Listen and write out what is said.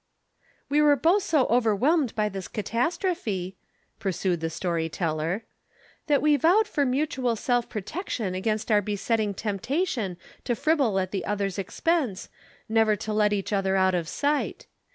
"We were both so overwhelmed by this catastrophe," pursued the story teller, "that we vowed for mutual self protection against our besetting temptation to fribble at the other's expense, never to let each other out of sight.